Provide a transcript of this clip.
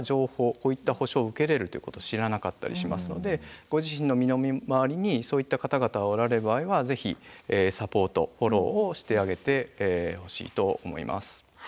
こういった補償を受けれるということを知らなかったりしますのでご自身の身の回りにそういった方々がおられる場合はぜひサポートフォローをしてあげてほしいと思います。